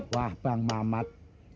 wah bang mamat